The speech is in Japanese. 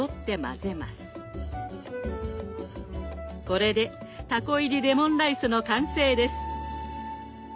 これでたこ入りレモンライスの完成です。